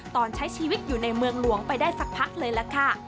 ตอนใช้ชีวิตอยู่ในเมืองหลวงไปได้สักพักเลยล่ะค่ะ